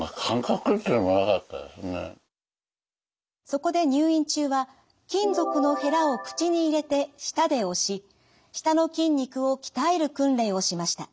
そこで入院中は金属のへらを口に入れて舌で押し舌の筋肉を鍛える訓練をしました。